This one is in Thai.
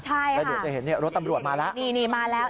ใช่แล้วเดี๋ยวจะเห็นเนี่ยรถตำรวจมาแล้วนี่มาแล้ว